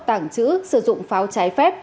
tàng trữ sử dụng pháo trái phép